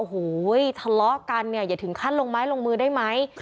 โอ้โหทะเลาะกันเนี่ยอย่าถึงขั้นลงไม้ลงมือได้ไหม